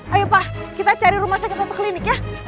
ayo pak kita cari rumah sakit untuk klinik ya